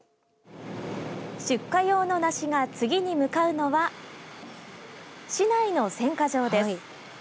出荷用の梨が次に向かうのは市内の選果場です。